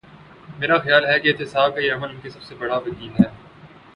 میرا خیال ہے کہ احتساب کا یہ عمل ان کا سب سے بڑا وکیل ہے۔